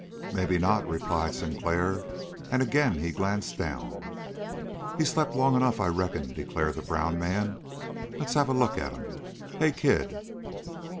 "Maybe not," replied Sinclair, and again he glanced down. "He's slept long enough, I reckon," declared the brown man. "Let's have a look at him. Hey, kid!"